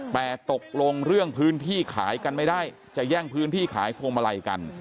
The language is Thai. แต่ตกลงเรื่องพื้นที่ขายกันไม่ได้จะแย่งพื้นที่ขายพวงมาลัยกัน